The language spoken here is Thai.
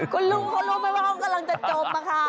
คุณลุงเขารู้ไหมว่าเขากำลังจะจบค่ะ